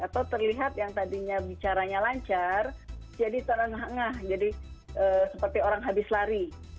atau terlihat yang tadinya bicaranya lancar jadi terengah engah jadi seperti orang habis lari